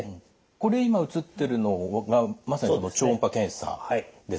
これ今映ってるのがまさに超音波検査ですか。